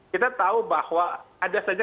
kita tahu bahwa ada saja